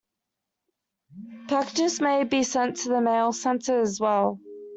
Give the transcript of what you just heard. Packages may be sent to the mail center as well.